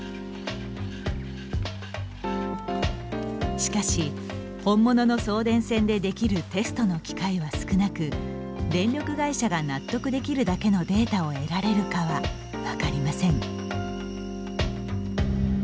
しかし、本物の送電線でできるテストの機会は少なく電力会社が納得できるだけのデータを得られるかは分かりません。